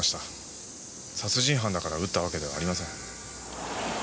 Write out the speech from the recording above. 殺人犯だから撃ったわけではありません。